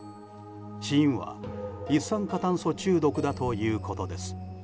死因は一酸化炭素中毒だということです。